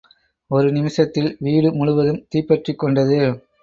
ஒரு நிமிஷத்தில் வீடு முழுவதும் தீப்பற்றிக் கொண்டது.